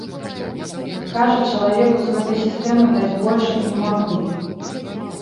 Кажа, чалавеку з гэтай сістэмы даць больш і не маглі.